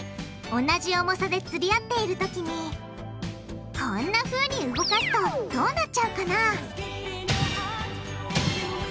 同じ重さでつり合っているときにこんなふうに動かすとどうなっちゃうかな？